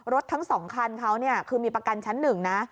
รถทั้งสองคันเค้าเนี่ยคือมีประกันชั้นหนึ่งนะ